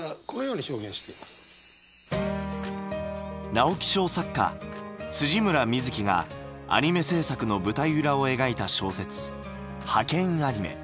直木賞作家村深月がアニメ制作の舞台裏を描いた小説「ハケンアニメ！」。